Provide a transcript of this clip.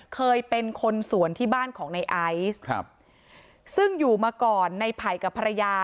เคยเป็นคนสวนที่บ้านของในไอซ์ครับซึ่งอยู่มาก่อนในไผ่กับภรรยา